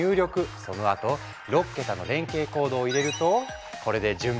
そのあと６桁の連携コードを入れるとこれで準備ＯＫ！